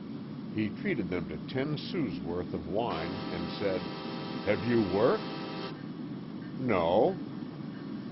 He treated them to ten sous' worth of wine and said: "Have you work?" "No."